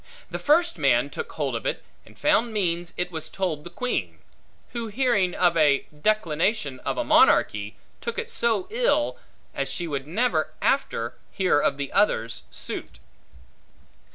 The first man took hold of it, and found means it was told the Queen; who, hearing of a declination of a monarchy, took it so ill, as she would never after hear of the other's suit.